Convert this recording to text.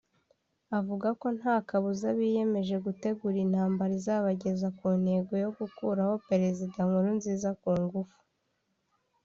avuga ko nta kabuza biyemeje gutegura intambara izabageza ku ntego yo gukuraho Perezida Nkurunziza ku ngufu